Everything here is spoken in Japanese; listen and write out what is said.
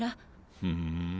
ふん。